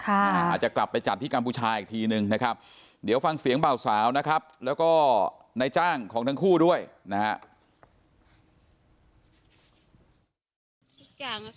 อาจจะกลับไปจัดที่กัมพูชาอีกทีนึงนะครับเดี๋ยวฟังเสียงเบาสาวนะครับแล้วก็ในจ้างของทั้งคู่ด้วยนะฮะ